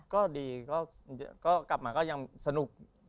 ก็ดีก็กลับมาก็ยังสนุก